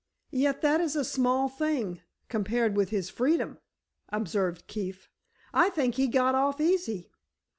"Yet that is a small thing, compared with his freedom," observed Keefe; "I think he got off easy."